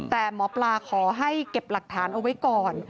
แต่หมอปลาขอให้เก็บหลักฐานเอาไว้ก่อน